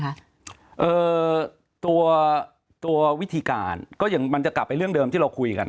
เอ่อตัวตัววิธีการก็อย่างมันจะกลับไปเรื่องเดิมที่เราคุยกัน